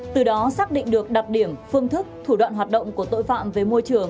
từ đó xác định được đặc điểm phương thức thủ đoạn hoạt động của tội phạm về môi trường